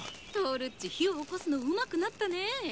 トオルっちひをおこすのうまくなったね。